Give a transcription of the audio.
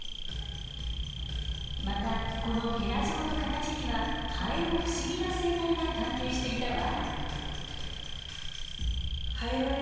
またこのヘラ状の形にはハエの不思議な生態が関係していたわ。